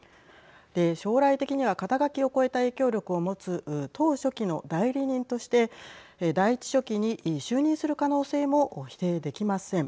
将来的には肩書を超えた影響力を持つ党書記の代理人として第１書記に就任する可能性も否定できません。